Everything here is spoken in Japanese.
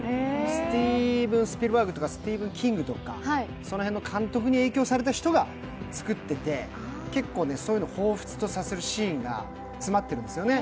スティーブン・スピルバーグとかスティーブン・キングとかその辺の監督に影響された人が作ってて、結構、そういうのを彷彿とさせるシーンが詰まってるんですよね。